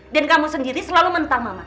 dan kamu sendiri selalu menentang mama